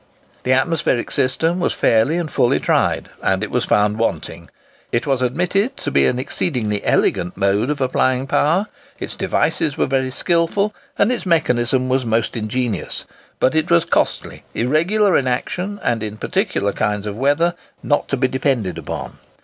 The atmospheric system was fairly and fully tried, and it was found wanting. It was admitted to be an exceedingly elegant mode of applying power; its devices were very skilful, and its mechanism was most ingenious. But it was costly, irregular in action, and, in particular kinds of weather, not to be depended upon.